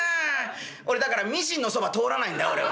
俺だからミシンのそば通らないんだ俺は」。